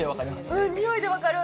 うん、匂いで分かる！